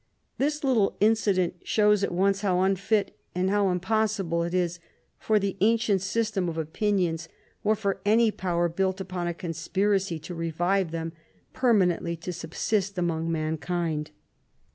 This little incident shews at once how unfit and how impossible it is for the ancient system of opinions, or for any power built upon a conspiracy to revive them, permanently to subsist among mankind.